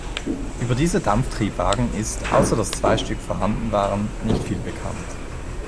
Über diese Dampftriebwagen ist, außer dass zwei Stück vorhanden waren, nicht viel bekannt.